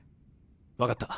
分かった。